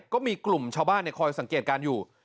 ก็มีกลุ่มชาวบ้านคอยสังเกตการณ์อยู่